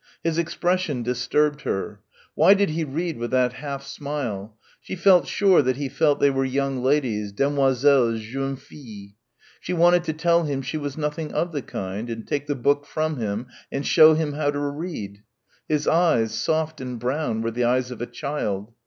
His expression disturbed her. Why did he read with that half smile? She felt sure that he felt they were "young ladies," "demoiselles," "jeunes filles." She wanted to tell him she was nothing of the kind and take the book from him and show him how to read. His eyes, soft and brown, were the eyes of a child.